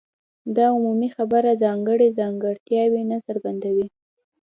دا عمومي خبره ځانګړي ځانګړتیاوې نه څرګندوي.